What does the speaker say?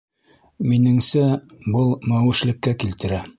Минеңсә, был мәүешлеккә килтерә.